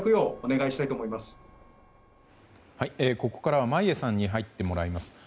ここからは眞家さんに入ってもらいます。